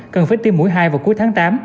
cần phải tiêm mũi hai vào cuối tháng tám